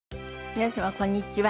皆様こんにちは。